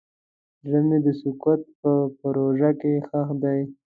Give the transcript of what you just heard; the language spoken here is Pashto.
زړه مې د سکوت په ژوره کې ښخ دی.